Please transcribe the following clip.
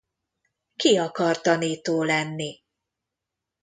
Ki akar tanító lenni?